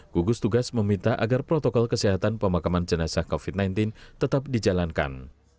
gugus tugas meminta agar protokol kesehatan pemakaman jenazah covid sembilan belas tetap dijalankan